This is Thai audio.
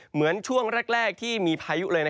เหมือนช่วงแรกที่มีพายุเลย